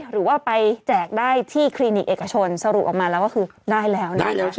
หรือว่าไปแจกได้ที่คนิคเอกชนสรุปออกมาคือได้แล้ว